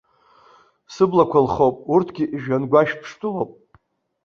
Сыблақәа лхоуп, урҭгьы жәҩангәашәԥштәылоуп.